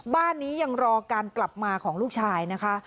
บ้านนี้ยังรอการกลับมาของลูกชายนะคะ